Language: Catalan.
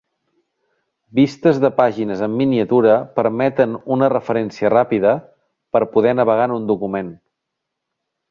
Vistes de pàgines en miniatura permeten una referència ràpida per poder navegar en un document.